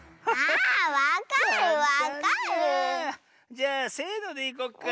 じゃあせのでいこっか。